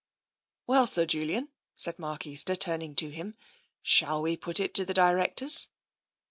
"Well, Sir Julian," said Mark Easter, turning to him, " shall we put it to the directors